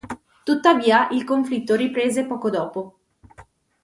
Tuttavia il conflitto riprese poco dopo.